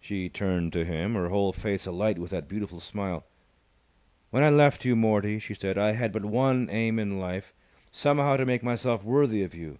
She turned to him, her whole face alight with that beautiful smile. "When I left you, Mortie," she said, "I had but one aim in life, somehow to make myself worthy of you.